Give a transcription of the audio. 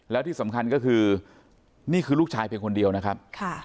แล้วที่สำคัญก็คือนี่คือลูกชายเพียงคนเดียวนะครับ